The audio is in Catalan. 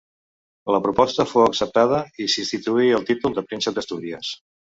La proposta fou acceptada i s'instituí el títol de Príncep d'Astúries.